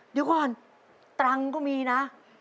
เดี๋ยวก่อนตรังก็มีนะ